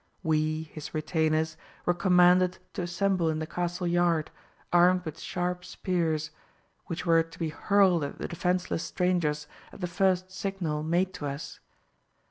We, his retainers, were commanded to assemble in the castle yard, armed with sharp spears, which were to be hurled at the defenceless strangers at the first signal made to us.